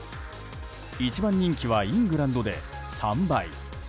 １番人気はイングランドで３倍。